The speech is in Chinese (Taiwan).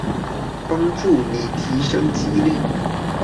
幫助你提升肌力